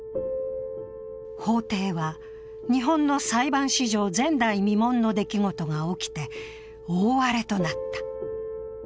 法廷は、日本の裁判史上前代未聞の出来事が起きて大荒れとなった。